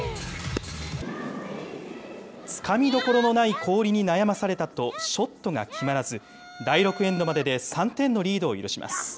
つかみどころのない氷に悩まされたとショットが決まらず、第６エンドまでで３点のリードを許します。